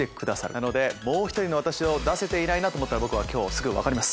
なので「もうひとりのワタシ。」を出せていないなと思ったら僕は今日すぐ分かります。